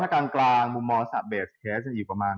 แล้วถ้ากลางมุมมองอาจจะอยู่ประมาณ